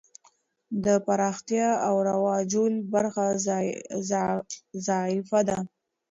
د پراختیا او رواجول برخه ضعیفه ده.